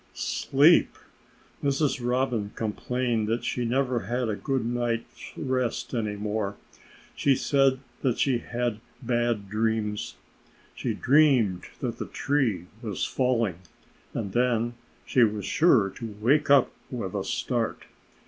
Sleep! Mrs. Robin complained that she never had a good night's rest any more. She said that she had bad dreams. She dreamed that the tree was falling. And then she was sure to wake up with a start.